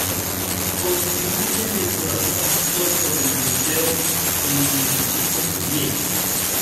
Constituyen el corazón histórico del museo en el Instituto Curie.